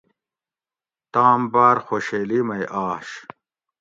تام باۤر خوشحیلی مئ آش